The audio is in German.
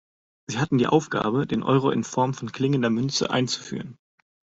Sie hatten die Aufgabe, den Euro in Form von klingender Münze einzuführen.